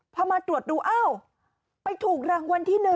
พอมาตรวจดูอ้าวไปถูกรางวัลที่๑